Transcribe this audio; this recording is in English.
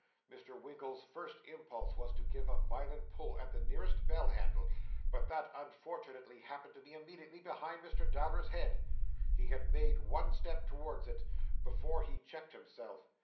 Mr. Winkle's first impulse was to give a violent pull at the nearest bell handle, but that unfortunately happened to be immediately behind Mr. Dowler's head. He had made one step towards it, before he checked himself.